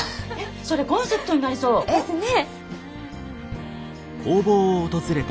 それコンセプトになりそう！ですね！